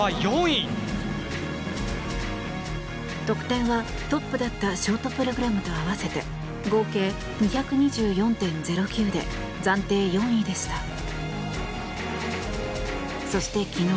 得点は、トップだったショートプログラムと合わせて合計２２４．０９で暫定４位でした。